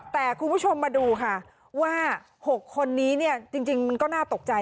แต่คุณผู้ชมมาดูค่ะว่า๖คนนี้เนี่ยจริงก็น่าตกใจ